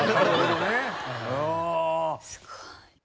すごい。